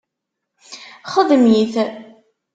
Xdem-it